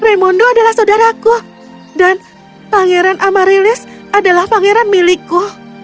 raimondo adalah saudaraku dan pangeran amarilis adalah pangeran milikku